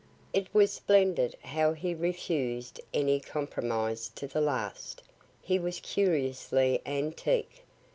It was splendid how he refus'd any compromise to the last. He was curiously antique.